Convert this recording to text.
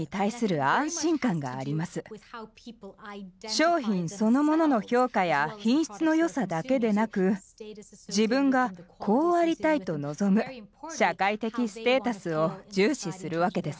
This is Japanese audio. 商品そのものの評価や品質のよさだけでなく自分がこうありたいと望む社会的ステータスを重視するわけです。